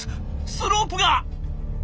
スロープが！」。